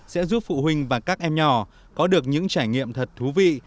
sẽ giúp phụ huynh và các em nhỏ có được những trải nghiệm thật thú vị